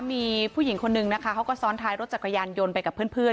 มีผู้หญิงคนนึงนะคะเขาก็ซ้อนท้ายรถจักรยานยนต์ไปกับเพื่อน